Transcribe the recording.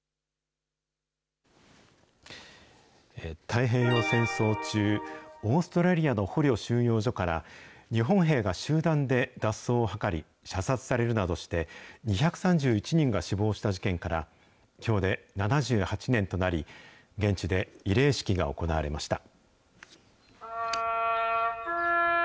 太平洋戦争中、オーストラリアの捕虜収容所から、日本兵が集団で脱走を図り、射殺されるなどして、２３１人が死亡した事件から、きょうで７８年となり、現地で慰霊式が行われました。